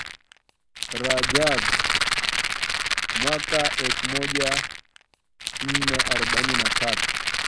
RAJAAB MWAKA ELFU MOJA NNE AROBAINI NA TATU